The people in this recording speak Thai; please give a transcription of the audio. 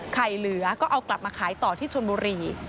เหลือก็เอากลับมาขายต่อที่ชนบุรี